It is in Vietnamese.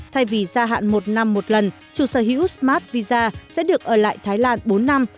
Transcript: thay vì gia hạn một năm một lần chủ sở hữu smart visa sẽ được ở lại thái lan